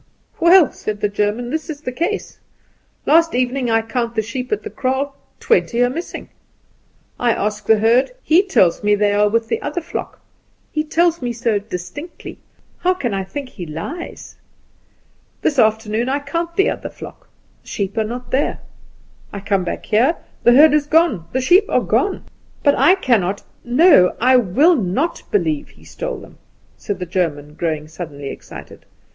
"Well," said the German, "this is the case. Last evening I count the sheep at the kraal twenty are missing. I ask the herd; he tells me they are with the other flock; he tells me so distinctly; how can I think he lies? This afternoon I count the other flock. The sheep are not there. I come back here: the herd is gone; the sheep are gone. But I cannot no, I will not believe he stole them," said the German, growing suddenly excited.